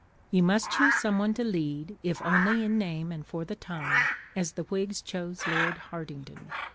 You must choose some one to lead, if only in name and for the time, as the Whigs chose Lord Hartington.